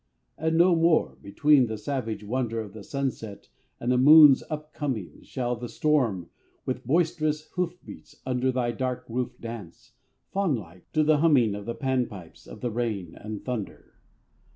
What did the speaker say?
And no more, between the savage wonder Of the sunset and the moon's up coming, Shall the storm, with boisterous hoof beats, under Thy dark roof dance, Faun like, to the humming Of the Pan pipes of the rain and thunder.